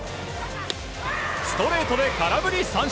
ストレートで空振り三振！